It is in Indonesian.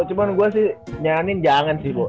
cuma gue sih nyaranin jangan sih bu